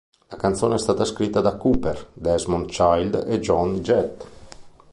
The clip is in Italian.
La canzone è stata scritta da Cooper, Desmond Child e Joan Jett.